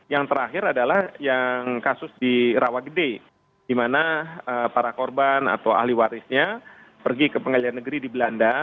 yang terakhir adalah yang kasus di rawa gede di mana para korban atau ahli warisnya pergi ke pengadilan negeri di belanda